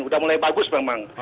udah mulai bagus memang